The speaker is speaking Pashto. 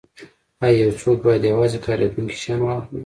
ایا یو څوک باید یوازې کاریدونکي شیان واخلي